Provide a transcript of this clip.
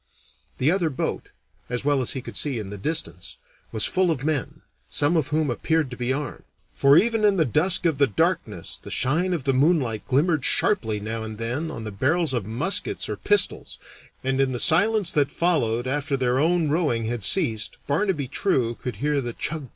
The other boat, as well as he could see in the distance, was full of men, some of whom appeared to be armed, for even in the dusk of the darkness the shine of the moonlight glimmered sharply now and then on the barrels of muskets or pistols, and in the silence that followed after their own rowing had ceased Barnaby True could hear the chug!